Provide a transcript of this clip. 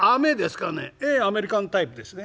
「ええアメリカンタイプですね」。